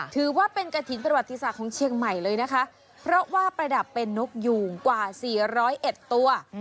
ถือว่าเป็นกระถิ่นประวัติศาสตร์ของเชียงใหม่เลยนะคะเพราะว่าประดับเป็นนกยูงกว่าสี่ร้อยเอ็ดตัว